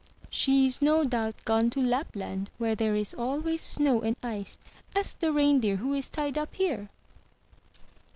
'* "She is no doubt gone to Lapland where there is always snow and ice. Ask the reindeer who is tied up here."